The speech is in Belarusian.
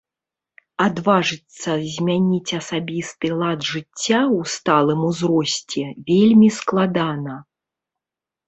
Адважыцца змяніць асабісты лад жыцця ў сталым ўзросце вельмі складана.